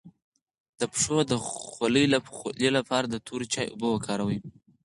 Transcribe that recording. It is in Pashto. د پښو د خولې لپاره د تور چای اوبه وکاروئ